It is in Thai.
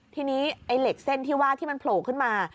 ทีนี้ไอ้เหล็กเส้นที่ว่าที่มันโผล่ขึ้นมา